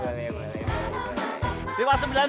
boleh boleh boleh boleh boleh boleh